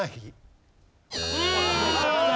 うん。